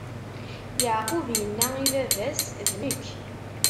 Yeɛqub inna i baba-s: D nekk!